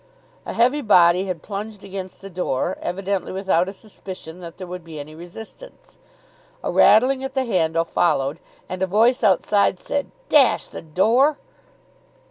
A heavy body had plunged against the door, evidently without a suspicion that there would be any resistance. A rattling at the handle followed, and a voice outside said, "Dash the door!"